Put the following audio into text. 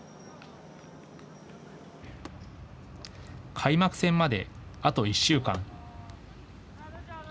開幕戦まで、あと１週間。